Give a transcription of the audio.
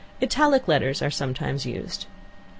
Italic letters are sometimes used.